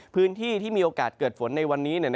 พื้นที่ที่มีโอกาสเกิดฝนในวันนี้